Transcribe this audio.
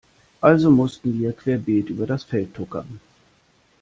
Also mussten wir querbeet über das Feld tuckern.